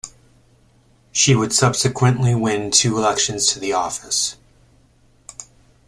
She would subsequently win two elections to the office.